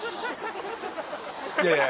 いやいや。